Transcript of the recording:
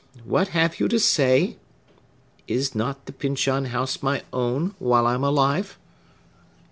—what have you to say?—is not the Pyncheon House my own, while I'm alive?"